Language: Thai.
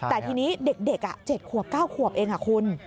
แต่ทีนี้เด็ก๗ขวบ๙ขวบเองคุณ